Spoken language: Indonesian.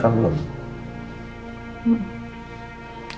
gimana beranakan belum